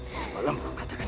sebelum kau katakan